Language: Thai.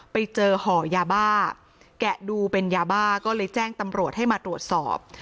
ไปเจอห่อยาบ้าแกะดูเป็นยาบ้าก็เลยแจ้งตำรวจให้มาตรวจสอบ